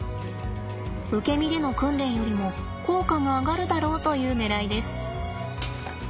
受け身での訓練よりも効果が上がるだろうというねらいです。